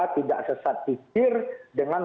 tidak sesat satir dengan